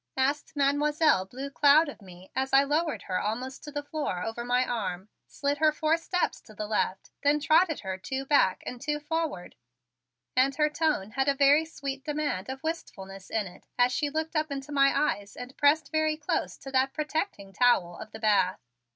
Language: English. asked Mademoiselle Blue Cloud of me as I lowered her almost to the floor over my arm, slid her four steps to the left then trotted her two back and two forward; and her tone had a very sweet demand of wistfulness in it as she looked up into my eyes and pressed very close to that protecting towel of the bath.